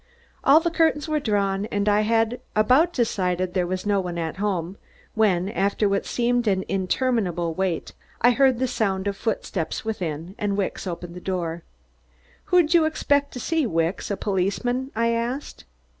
All the curtains were drawn and I had about decided there was no one at home, when, after what seemed an interminable wait, I heard the sound of footsteps within, and Wicks opened the door. "Who'd you expect to see, Wicks, a policeman?" I asked.